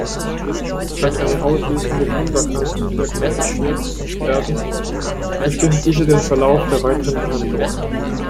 Kann eine auslösende Grunderkrankung diagnostiziert werden bestimmt diese den Verlauf der weiteren Behandlung.